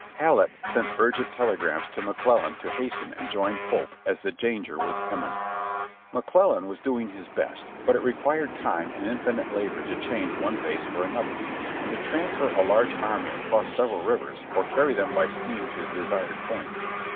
Halleck sent urgent telegrams to McClellan to hasten and join Pope, as the danger was imminent. McClellan was doing his best, but it required time and infinite labor to change one base for another, and to transfer a large army across several rivers or carry them by steam to the desired point.